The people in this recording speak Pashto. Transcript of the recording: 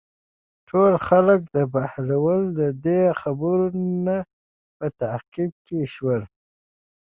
ټول خلک د بهلول د دې خبرو نه په تعجب کې شول.